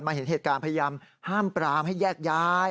เห็นเหตุการณ์พยายามห้ามปรามให้แยกย้าย